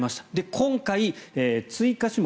今回、追加種目。